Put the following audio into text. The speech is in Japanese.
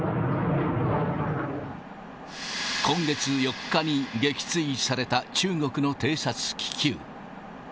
今月４日に撃墜された中国の偵察気球。